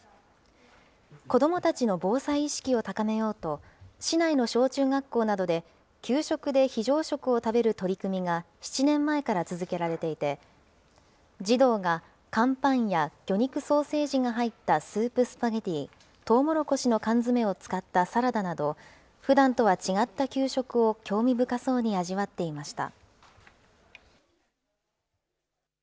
子どもたちの防災意識を高めようと、市内の小中学校などで、給食で非常食を食べる取り組みが７年前から続けられていて、児童が乾パンや魚肉ソーセージが入ったスープスパゲティ、トウモロコシの缶詰を使ったサラダなど、ふだんとは違った給食を興味深そうに味わっていました。